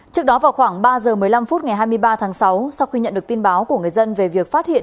trước đó vào khoảng ba giờ một mươi năm phút ngày hai mươi ba tháng sáu sau khi nhận được tin báo của người dân về việc phát hiện